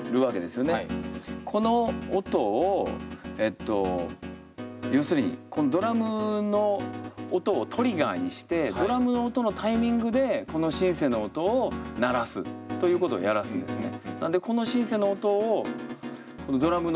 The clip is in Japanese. この音を要するにこのドラムの音をトリガーにしてドラムの音のタイミングでこのシンセの音を鳴らすということをやらすんですね。